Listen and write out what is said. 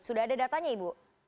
sudah ada datanya ibu